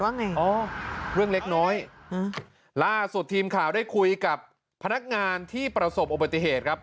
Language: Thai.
ไงอ๋อเรื่องเล็กน้อยล่าสุดทีมข่าวได้คุยกับพนักงานที่ประสบอุบัติเหตุครับ